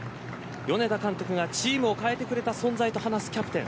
米田監督がチームを変えてくれた存在と話すキャプテン。